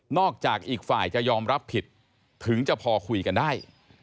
จากอีกฝ่ายจะยอมรับผิดถึงจะพอคุยกันได้